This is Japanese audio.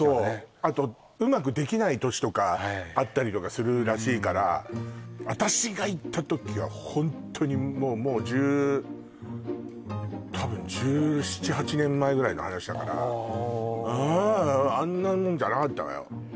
あとうまくできない年とかあったりとかするらしいから私が行った時はホントにもうもう１０多分１７１８年前ぐらいの話だからああうんうんあんなもんじゃなかったわよ